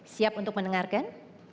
siap untuk mendengarkan